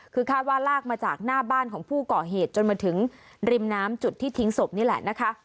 คือคาดว่าลากมาจากหน้าบ้านของผู้ก่อเหตุจนมาถึงริมน้ำจุดที่ทิ้งศพนี่แหละนะคะ